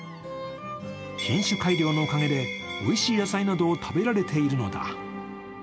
品種改良のおかげでおいしい野菜などを食べられているのだ。